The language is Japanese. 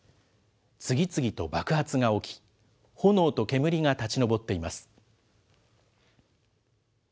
次々と爆発が起き、炎と煙が立ち上っています。